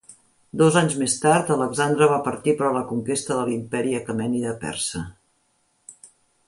Dos anys més tard, Alexandre va partir per a la conquesta de l'Imperi aquemènida persa.